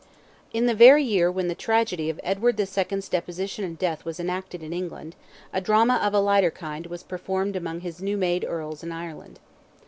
In the very year when the tragedy of Edward the Second's deposition and death was enacted in England, a drama of a lighter kind was performed among his new made earls in Ireland.